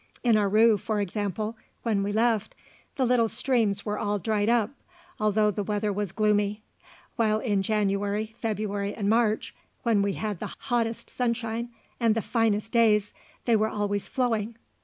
In Aru, for example, when we left, the little streams were all dried up, although the weather was gloomy; while in January, February, and March, when we had the hottest sunshine and the finest days, they were always flowing.